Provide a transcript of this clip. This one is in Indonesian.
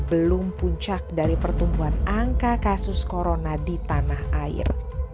belum puncak dari pertumbuhan angka kasus corona di tanah air